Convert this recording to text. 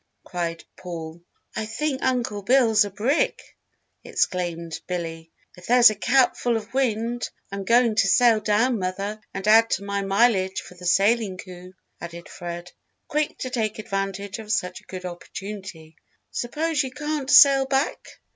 cried Paul. "I think Uncle Bill's a brick!" exclaimed Billy. "If there's a cap full of wind I'm going to sail down, mother, and add to my mileage for the sailing coup," added Fred, quick to take advantage of such a good opportunity. "Suppose you can't sail back?"